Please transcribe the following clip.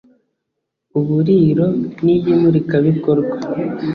uburiro n’iy’imurikabikorwa